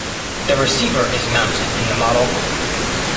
The receiver is mounted in the model.